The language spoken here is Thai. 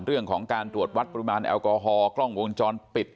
เรื่องของการตรวจวัดปริมาณแอลกอฮอลกล้องวงจรปิด